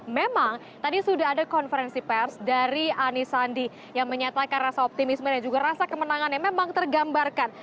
memang tadi sudah ada konferensi pers dari anisandi yang menyatakan rasa optimisme dan juga rasa kemenangannya memang tergambarkan